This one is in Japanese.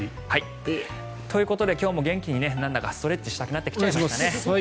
ということで今日も元気になんだかストレッチしたくなってきましたね。